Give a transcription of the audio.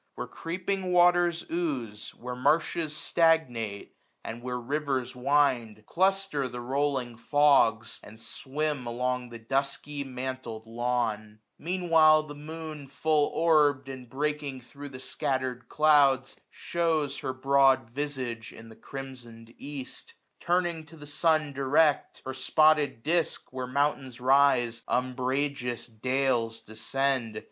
Where creeping waters ooze. Where marshes stagnate, and where rivers wind, Y Ife AUTUMN. Cluster the rolling fogs, and swim along 1085 The dusky mantled lawn. Mean while the moon FulUorbM, and breaking thro* the scattered clouds. Shews her broad visage in the crimson'd east ; Turn'd to the sun direct, her spotted disk. Where mountains rise, umbrageous dales descend.